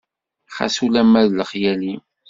Xas ulama d lexyal-im.